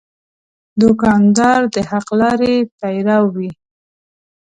دوکاندار د حق لارې پیرو وي.